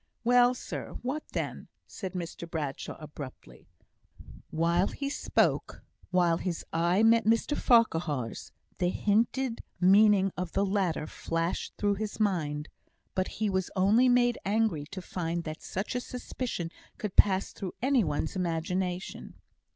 "Well, sir! what then?" said Mr Bradshaw, abruptly. While he spoke while his eye met Mr Farquhar's the hinted meaning of the latter flashed through his mind; but he was only made angry to find that such a suspicion could pass through any one's imagination.